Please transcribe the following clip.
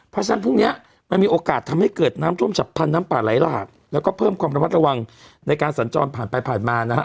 เพราะฉะนั้นพรุ่งเนี้ยมันมีโอกาสทำให้เกิดน้ำท่วมฉับพันธ์น้ำป่าไหลหลากแล้วก็เพิ่มความระมัดระวังในการสัญจรผ่านไปผ่านมานะฮะ